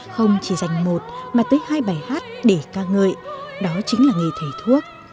không chỉ dành một mà tới hai bài hát để ca ngợi đó chính là nghề thầy thuốc